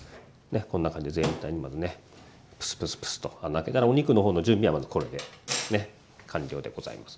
こんな感じで全体にまずねプスプスプスと穴開けたらお肉の方の準備はまずこれでねっ完了でございます。